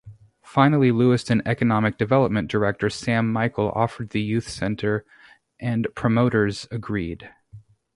Finally Lewiston economic development director Sam Michael offered the Youth Center, and promoters agreed.